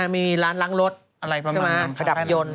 มีร้านล้างรถขดับยนต์